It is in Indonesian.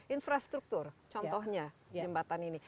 infrastruktur contohnya jembatan ini